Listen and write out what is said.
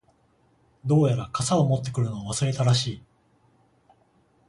•どうやら、傘を持ってくるのを忘れたらしい。